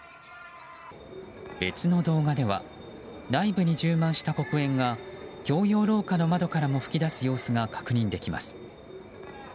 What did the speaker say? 別の動画では内部に充満した黒煙が共用廊下の窓からも噴き出す様子が確認できます。